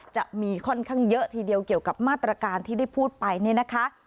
จะมีค่อนข้างเยอะทีเดียวเกี่ยวกับมาตรการที่ได้พูดไปเนี่ยนะคะ